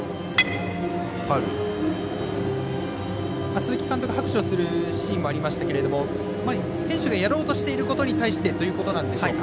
鈴木監督、拍手をするシーンもありましたけど選手がやろうとしていることに対してということなんでしょうか。